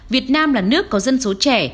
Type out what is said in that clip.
việt nam là nước có dân số trẻ